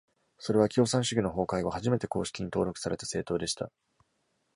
それは、共産主義の崩壊後、初めて公式に登録された政党でした。